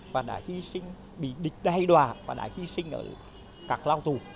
và đã hy sinh bị địch đai đòa và đã hy sinh ở các lao tù